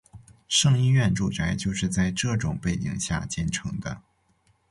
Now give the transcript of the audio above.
胜因院住宅就是在这种背景下建成的。